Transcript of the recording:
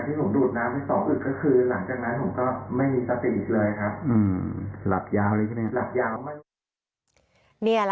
ให้ดื่มน้ำสักหน่อยผมยังหันมาถามเขาบอกว่าผมไม่ได้หิวน้ำนะ